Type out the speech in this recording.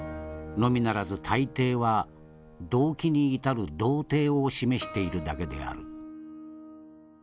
のみならず大抵は動機に至る道程を示しているだけである。